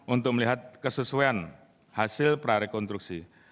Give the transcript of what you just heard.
untuk melihat kesesuaian hasil prarekonstruksi